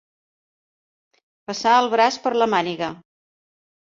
Passar el braç per la màniga.